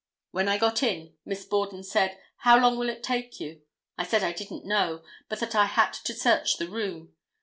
When I got in, Miss Borden said: "How long will it take you?" I said I didn't know, but that I had to search the room.